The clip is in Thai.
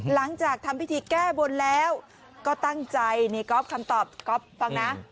หลังจากทำพิธีแก้บนแล้วก็ตั้งใจนี่ก๊อฟคำตอบก๊อฟฟังนะ